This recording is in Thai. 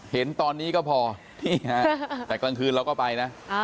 เห็นตอนนี้ก็พอนี่ฮะแต่กลางคืนเราก็ไปนะ